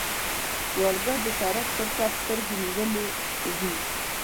سوالګر د سړک پر غاړه سترګې نیولې وي